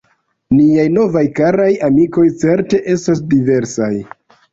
Niaj novaj karaj amikoj certe estas diversaj.